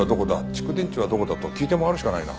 蓄電池はどこだ？と聞いて回るしかないな。